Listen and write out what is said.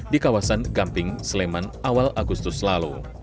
di kawasan gamping sleman awal agustus lalu